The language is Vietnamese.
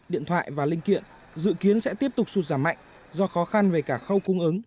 điện thoại và linh kiện dự kiến sẽ tiếp tục sụt giảm mạnh do khó khăn về cả khâu cung ứng